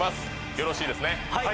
よろしいですね